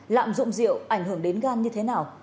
lạm dụng rượu ảnh hưởng đến gan như thế nào